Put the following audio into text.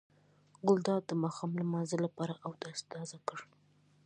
ګلداد د ماښام لمانځه لپاره اودس تازه کړ.